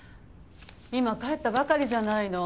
今帰ったばかりじゃないの。